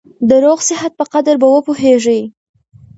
د روغ صحت په قدر به وپوهېږې !